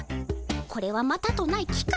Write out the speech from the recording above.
これはまたとない機会。